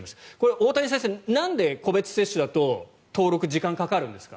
大谷先生、なんで個別接種だと登録に時間がかかるんですか？